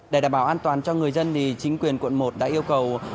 để đảm bảo an toàn cho người dân chính quyền quận một đã yêu cầu